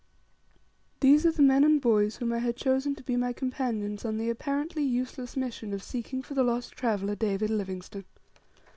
These are the men and boys whom I had chosen to be my companions on the apparently useless mission of seeking for the lost traveller, David Livingstone.